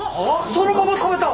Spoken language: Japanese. そのまま食べた！